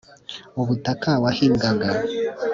ubutaka wahingaga.